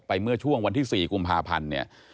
ไปเมื่อช่วงวันที่๔กุมภาพันธ์